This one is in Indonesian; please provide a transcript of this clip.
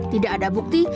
tidak ada bukti